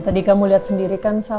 tadi kamu liat sendiri kan sal